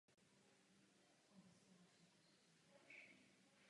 Lepším nápadem jsou osvědčené postupy.